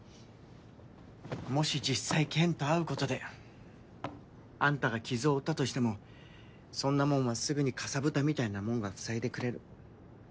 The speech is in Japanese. もし実際ケンと会うことであんたが傷を負ったとしてもそんなもんはすぐにかさぶたみたいなもんがふさいでくれる。